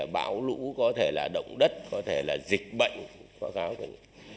bão lũ có thể là động đất có thể là dịch bệnh